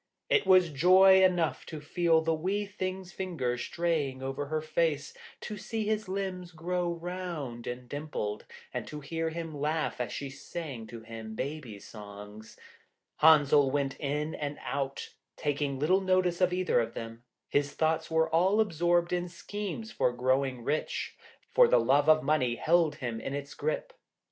It was joy enough to feel the wee thing's fingers straying over her face, to see his limbs grow round and dimpled, and to hear him laugh as she sang to him baby songs. Henzel went in and out, taking little notice of either of them; his thoughts were all absorbed in schemes for growing rich, for the love of money held him in its grip.